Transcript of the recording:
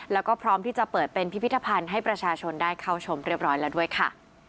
แล้วก็พร้อมที่จะเปิดเป็นพิพิธภัณฑ์ให้ประชาชนได้เข้าชมเรียบร้อยแล้วด้วยค่ะ